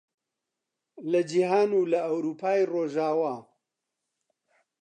لە جیهان و لە ئەورووپای ڕۆژاوا